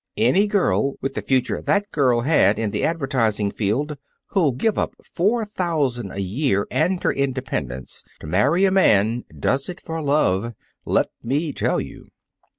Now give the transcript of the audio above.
Any girl with the future that girl had in the advertising field who'll give up four thousand a year and her independence to marry a man does it for love, let me tell you.